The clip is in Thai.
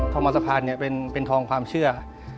ทองมันสะพานเนี่ยเป็นทองความเชื่อ